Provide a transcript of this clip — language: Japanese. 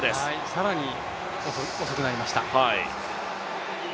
更に遅くなりました。